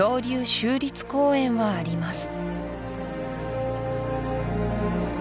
州立公園はあります